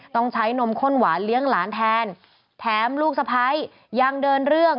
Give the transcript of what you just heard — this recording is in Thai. ต้องใช้นมข้นหวานเลี้ยงหลานแทนแถมลูกสะพ้ายยังเดินเรื่อง